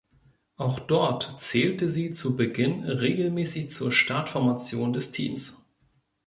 Auch dort zählte sie zu Beginn regelmäßig zur Startformation des Teams.